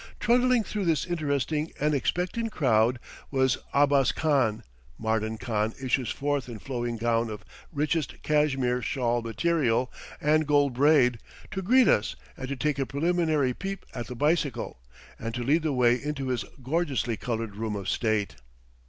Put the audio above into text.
Trundling through this interesting and expectant crowd with Abbas Khan, Mardan Khan issues forth in flowing gown of richest Cashmere shawl material and gold braid, to greet us and to take a preliminary peep at the bicycle, and to lead the way into his gorgeously colored room of state.